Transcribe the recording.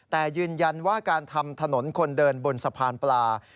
แต่ยืนยันว่าการทำถนนคนเดินบนสะพานปลา